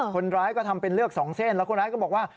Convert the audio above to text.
คนร้ายก็ทำเป็นเลือกสองเส้นแล้วคนร้ายก็บอกว่า